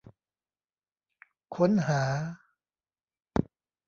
ค้นหา